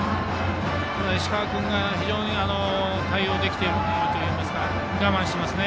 ただ石川君が非常に対応できているというか我慢していますね。